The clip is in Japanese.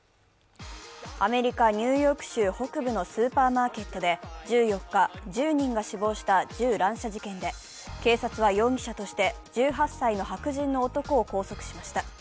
アメリカ・ニューヨーク州北部のスーパーマーケットで１４日、１０人が死亡した銃乱射事件で警察は容疑者として１８歳の白人の男を拘束しました。